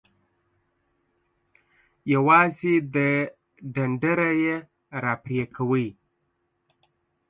یوازې د ډنډره یی را پرې کوئ.